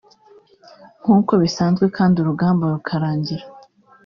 nkuko bisanzwe kandi urugamba rukarangira